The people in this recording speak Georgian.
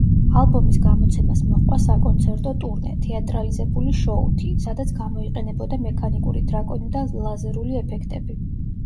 ალბომის გამოცემას მოჰყვა საკონცერტო ტურნე, თეატრალიზებული შოუთი, სადაც გამოიყენებოდა მექანიკური დრაკონი და ლაზერული ეფექტები.